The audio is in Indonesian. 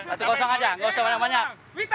satu aja gak usah banyak banyak